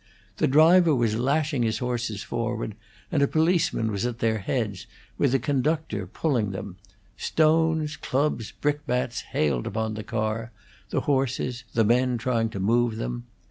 The driver was lashing his horses forward, and a policeman was at their heads, with the conductor, pulling them; stones, clubs, brickbats hailed upon the car, the horses, the men trying to move them.